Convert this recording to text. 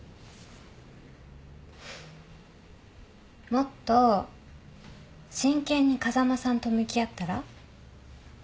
もっと真剣に風間さんと向き合ったら？